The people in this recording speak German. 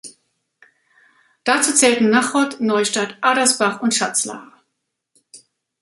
Dazu zählten Nachod, Neustadt, Adersbach und Schatzlar.